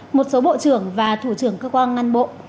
một số bộ trưởng và thủ trưởng cơ quan ngang bộ